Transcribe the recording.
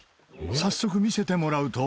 早速見せてもらうと。